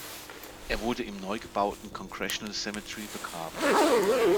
Er wurde im neugebauten „Congressional Cemetery“ begraben.